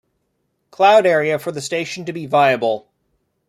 Cloud area for the station to be viable.